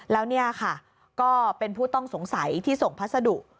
แล้วเนี่ยค่ะก็เป็นผู้ต้องสงสัยที่ส่งพัสดุ